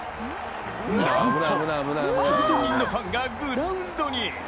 なんと数千人のファンがグラウンドに。